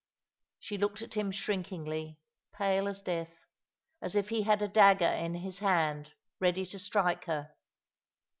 She looked at him shrinkingly, pale as death, as if he had a dagger in his hand ready to strike her.